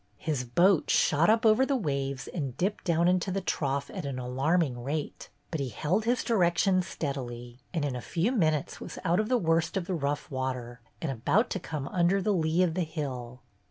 His boat shot up over the waves and dipped down into the trough at an alarming rate, but he held his direction steadily, and in a few minutes was out of the worst of the rough water and about to come under the lee of the hill.